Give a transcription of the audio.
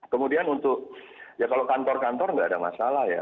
kemudian untuk ya kalau kantor kantor nggak ada masalah ya